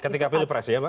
ketika pilpres ya pak